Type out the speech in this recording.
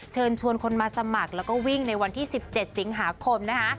เชิญชวนคนมาสมัครแล้วก็วิ่งในวันที่๑๗สิงหาคมนะคะ